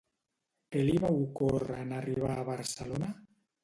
Què li va ocórrer en arribar a Barcelona?